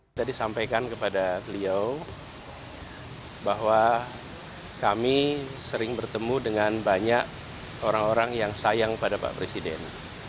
saya tadi sampaikan kepada beliau bahwa kami sering bertemu dengan banyak orang orang yang sayang pada pak presiden